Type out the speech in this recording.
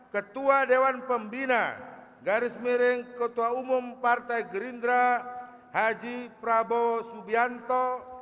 ketua dewan pembina garis miring ketua umum partai gerindra haji prabowo subianto